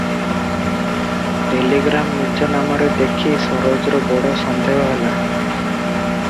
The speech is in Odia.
ଟେଲିଗ୍ରାମ ନିଜ ନାମରେ ଦେଖି ସରୋଜର ବଡ଼ ସନ୍ଦେହ ହେଲା ।